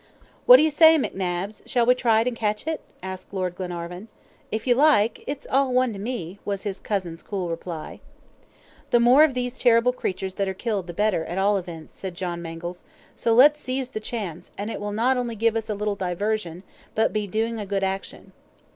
"What do you say, McNabbs? Shall we try to catch it?" asked Lord Glenarvan. "If you like; it's all one to me," was his cousin's cool reply. "The more of those terrible creatures that are killed the better, at all events," said John Mangles, "so let's seize the chance, and it will not only give us a little diversion, but be doing a good action."